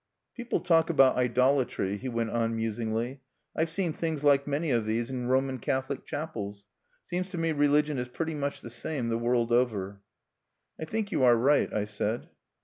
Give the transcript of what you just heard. "People talk about idolatry," he went on musingly. "I've seen things like many of these in Roman Catholic chapels. Seems to me religion is pretty much the same the world over." "I think you are right," I said.